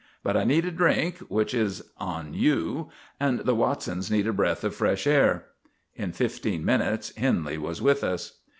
But I need a drink, which is on you, and the Watsons need a breath of fresh air." In fifteen minutes Henley was with us.